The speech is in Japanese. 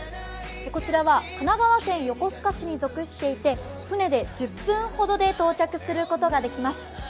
こちらは神奈川県横須賀市に属していて船で１０分ほどで到着することができます。